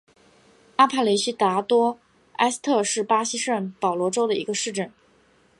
阿帕雷西达多埃斯特是巴西圣保罗州的一个市镇。